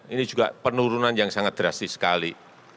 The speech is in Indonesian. ini juga penurunan yang sangat drastis sekali